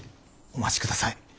お待ちください。